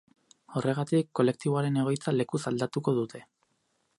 Horregatik, kolektiboaren egoitza lekuz aldatuko dute.